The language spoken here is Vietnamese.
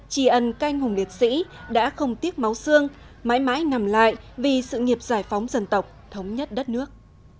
trì ân canh hùng liệt sĩ đã không tiếc máu xương mãi mãi nằm lại vì sự nghiệp giải phóng dân tộc thống nhất đất nước